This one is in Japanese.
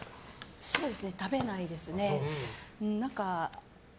そうですね、食べないですね。